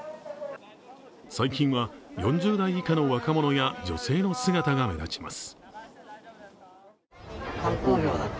最近は４０代以下の若者や女性の姿が目立ちます。